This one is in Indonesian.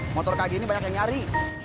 motor kaget ini banyak yang nyari